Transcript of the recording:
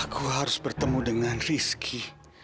aku harus bertemu dengan rizky